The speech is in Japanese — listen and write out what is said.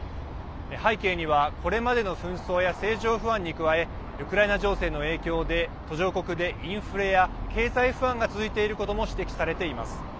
背景には、これまでの紛争や政情不安に加えウクライナ情勢の影響で途上国でインフレや経済不安が続いていることも指摘されています。